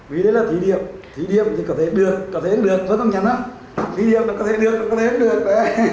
vì đấy là thí điểm thí điểm thì có thể được có thể không được tôi không nhận đó thí điểm thì có thể được có thể không được